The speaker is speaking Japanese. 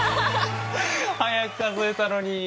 速く数えたのに！